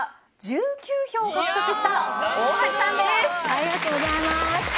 ありがとうございます。